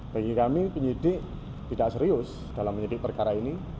bagi kami penyidik tidak serius dalam menyidik perkara ini